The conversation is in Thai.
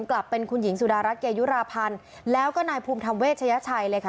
กลับเป็นคุณหญิงสุดารัฐเกยุราพันธ์แล้วก็นายภูมิธรรมเวชยชัยเลยค่ะ